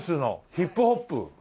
ヒップホップ？